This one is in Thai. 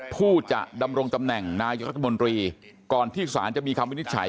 ผู้จะดำรงตำแหน่งนายกรัฐมนตรีก่อนที่ศาลจะมีคำวินิจฉัย